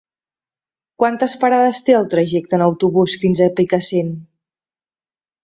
Quantes parades té el trajecte en autobús fins a Picassent?